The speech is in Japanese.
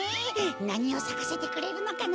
なにをさかせてくれるのかな？